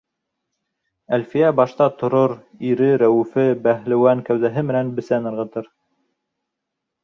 Әлфиә башта торор, ире, Рәүефе, бәһлеүән кәүҙәһе менән бесән ырғытыр.